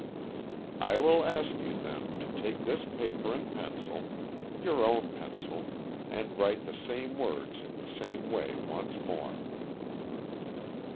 "I will ask you, then, to take this paper and pencil, your own pencil and write the same words in the same way once more."